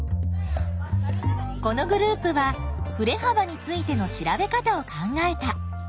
このグループはふれ幅についての調べ方を考えた。